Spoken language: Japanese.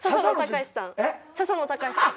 笹野高史さん。